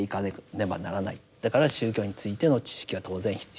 だから宗教についての知識は当然必要。